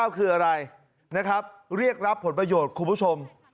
คืออะไรนะครับเรียกรับผลประโยชน์คุณผู้ชม